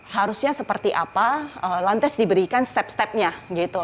harusnya seperti apa lantas diberikan step stepnya gitu